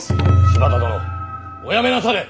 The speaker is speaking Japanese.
柴田殿おやめなされ！